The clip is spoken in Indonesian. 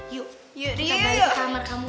yuk kita balik ke kamar kamu